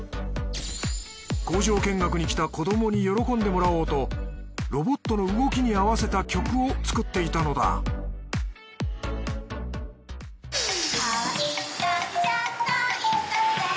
工場見学に来た子どもに喜んでもらおうとロボットの動きに合わせた曲を作っていたのだ「かわいいだけじゃないんだよ」